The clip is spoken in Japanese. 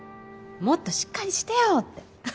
もっとしっかりしてよ！って。